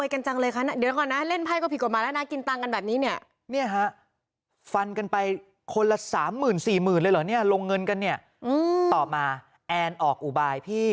คนละสามหมื่นสี่หมื่นเลยเหรอเนี่ยลงเงินกันเนี่ยอืมต่อมาแอนออกอุบายพี่